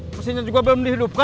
pesannya juga belum dihidupkan